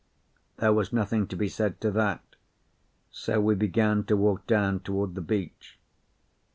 There was nothing to be said to that, so we began to walk down toward the beach.